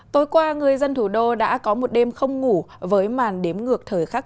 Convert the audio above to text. tối qua người dân thủ đô đã có một đêm không ngủ với màn đếm ngược thời khắc